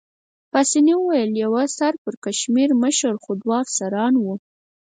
پاسیني وویل: یوه سر پړکمشر مشر خو دوه افسران وو.